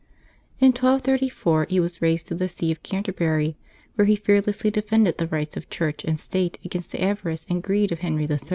In 1234 he was raised to the see of Can terbury, where he fearlessly defended the rights of Church and State against the avarice and greed of Henry III.